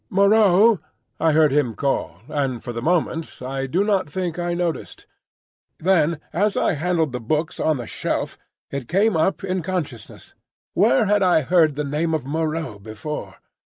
"Moreau!" I heard him call, and for the moment I do not think I noticed. Then as I handled the books on the shelf it came up in consciousness: Where had I heard the name of Moreau before?